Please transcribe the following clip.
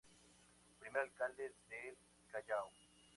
Primer alcalde del Callao.